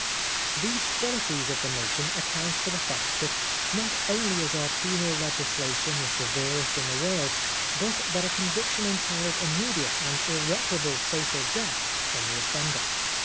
These qualities of the nation account for the facts that not only is our penal legislation the severest in the world, but that a conviction entails immed iate and irreparable social death on the offender.